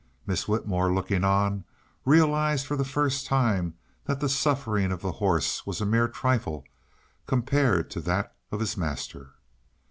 Miss Whitmore, looking on, realized for the first time that the suffering of the horse was a mere trifle compared to that of his master.